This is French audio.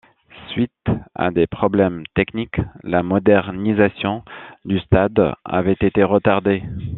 Suite à des problèmes techniques, la modernisation du stade avait été retardée.